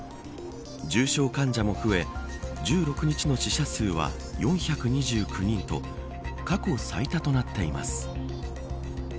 重症患者も増え１６日の死者数は４２９人と過去最多となっています。